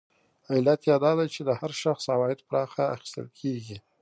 علت یې دا دی چې د هر شخص عواید پراخه اخیستل کېږي